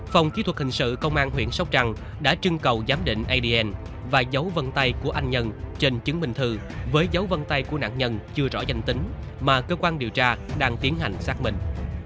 phòng kỹ thuật hình sự công an huyện sóc trăng đã trưng cầu giám định adn và dấu vân tay của anh nhân trên chứng minh thư với dấu vân tay của nạn nhân chưa rõ danh tính mà cơ quan điều tra đang tiến hành xác minh